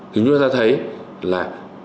chúng ta thấy là